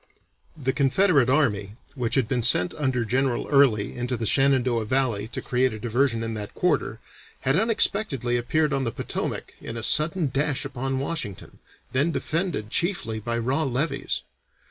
The Confederate Army which had been sent under General Early into the Shenandoah Valley to create a diversion in that quarter, had unexpectedly appeared on the Potomac in a sudden dash upon Washington, then defended chiefly by raw levies.